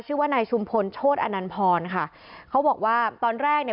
ชื่อว่านายชุมพลโชธอนันพรค่ะเขาบอกว่าตอนแรกเนี่ย